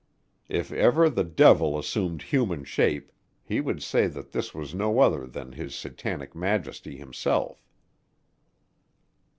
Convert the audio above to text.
If ever the devil assumed human shape, he would say that this was no other than his satanic majesty himself.